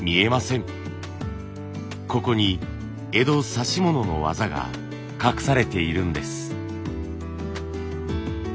ここに江戸指物の技が隠されているんです。